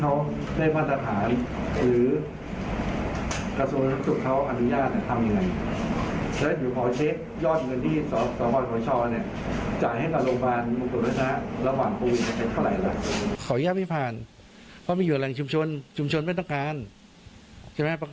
จ่ายให้กับโรงพยาบาลบริษัทระหว่างขออนุญาตไม่ผ่านเพราะไม่อยู่แหล่งชุมชนชุมชนไม่ต้องการใช่ไหม